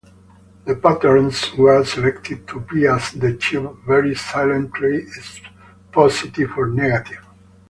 The patterns were selected to bias the tube very slightly positive or negative.